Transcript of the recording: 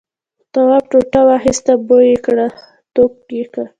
تواب ټوټه واخیسته بوی یې کړ توک یې.